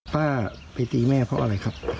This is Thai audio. ป้าไปตีแม่เพราะอะไรครับ